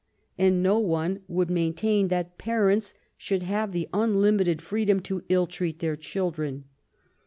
And no one would maintain that parents should have unlimited freedom to ill treat their children.